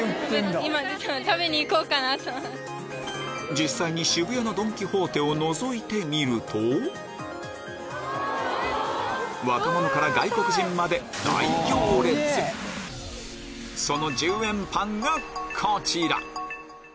実際に渋谷のドン・キホーテをのぞいてみると若者から外国人までその１０円パンがこちら！